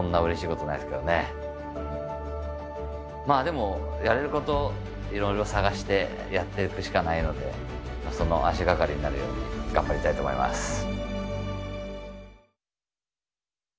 まあでもやれることいろいろ探してやっていくしかないのでその足掛かりになるように頑張りたいと思います。